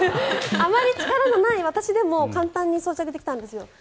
あまり力のない私でも簡単に装着できたんですよ。